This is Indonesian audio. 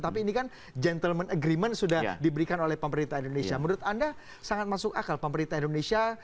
tapi ini kan gentleman agreement sudah diberikan oleh pemerintah indonesia menurut anda sangat masuk akal pemerintah indonesia